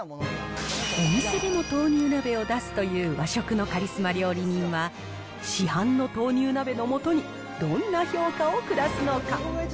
お店でも豆乳鍋を出すという和食のカリスマ料理人は、市販の豆乳鍋のもとに、どんな評価を下すのか。